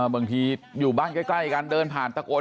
บางทีอยู่บ้านใกล้กันเดินผ่านตะโกน